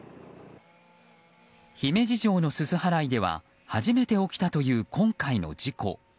姫路城のすす払いでは初めて起きたという今回の事故。